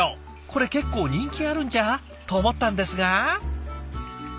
これ結構人気あるんじゃ？と思ったんですが。